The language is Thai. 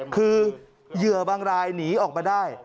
คือเหยื่อบางรายหนีออกมาได้